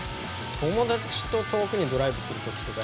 友達と遠くにドライブする時とかに。